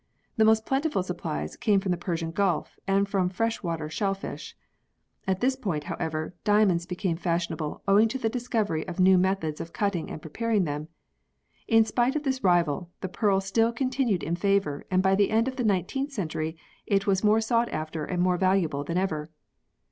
The most plentiful supplies came from the Persian Gulf and from fresh water shellfish. At this period, however, diamonds became fashionable owing to the discovery of new methods of cutting and preparing them. In spite of this rival, the pearl still continued in favour and by the end of the 19th century it was more sought after and more valuable than ever.